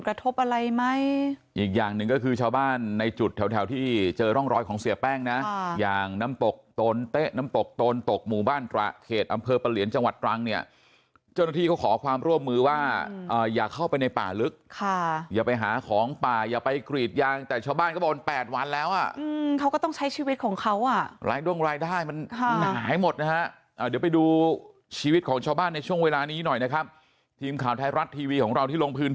กระทบอะไรไหมอีกอย่างหนึ่งก็คือชาวบ้านในจุดแถวที่เจอร่องรอยของเสือแป้งนะอย่างน้ำตกตนเต๊ะน้ำตกตนตกหมู่บ้านตระเขตอำเภอประเหลียนจังหวัดตรังเนี่ยเจ้าหน้าที่เขาขอความร่วมมือว่าอย่าเข้าไปในป่าลึกค่ะอย่าไปหาของป่าอย่าไปกรีดยางแต่ชาวบ้านก็บ่น๘วันแล้วอ่ะเขาก็ต้องใช้ชีวิตของเขาอ